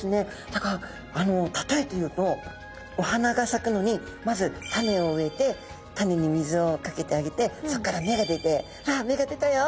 だからたとえて言うとお花がさくのにまず種を植えて種に水をかけてあげてそこから芽が出て「わあ芽が出たよ」